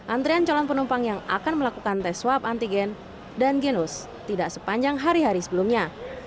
antrian calon penumpang yang akan melakukan tes swab antigen dan genus tidak sepanjang hari hari sebelumnya